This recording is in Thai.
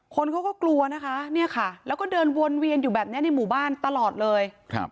คนเขาก็กลัวนะคะเนี่ยค่ะแล้วก็เดินวนเวียนอยู่แบบนี้ในหมู่บ้านตลอดเลยครับ